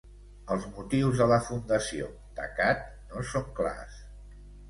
Els motius de la fundació d'Accad no són clars.